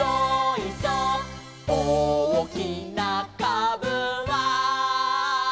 「おおきなかぶは」